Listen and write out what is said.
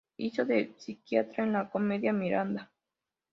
Hizo de psiquiatra en la comedia "Miranda".